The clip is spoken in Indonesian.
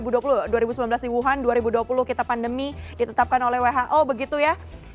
dua puluh dua ribu sembilan belas di wuhan dua ribu dua puluh kita pandemi ditetapkan oleh who begitu ya